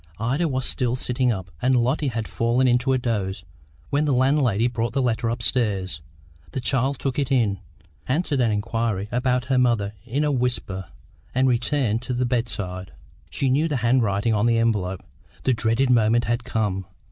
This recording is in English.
Ida was still sitting up, and Lotty had fallen into a doze, when the landlady brought the letter upstairs. The child took it in, answered an inquiry about her mother in a whisper, and returned to the bedside. She knew the handwriting on the envelope. The dreaded moment had come.